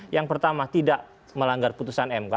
yang pertama tidak melanggar putusan mk